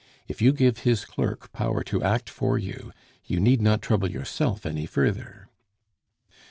If you give his clerk power to act for you, you need not trouble yourself any further."